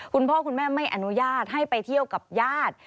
คุณพ่อคุณแม่ไม่อนุญาตให้ไปเที่ยวกับญาติ